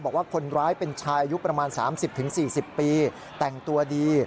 บอกว่าคนร้ายเป็นชายอายุประมาณ๓๐๔๐ปีแต่งตัวดี